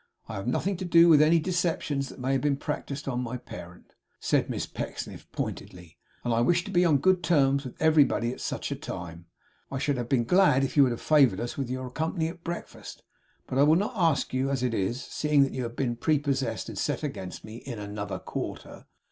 I have nothing to do with any deceptions that may have been practiced on my parent,' said Miss Pecksniff, pointedly; 'and as I wish to be on good terms with everybody at such a time, I should have been glad if you would have favoured us with your company at breakfast. But I will not ask you as it is; seeing that you have been prepossessed and set against me in another quarter.